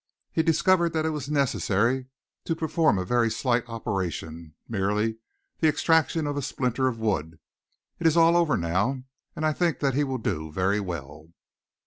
He discovered that it was necessary to perform a very slight operation, merely the extraction of a splinter of wood. It is all over now, and I think that he will do very well."